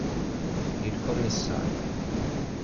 Il commissario